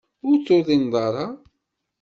Ur tuḍineḍ ara.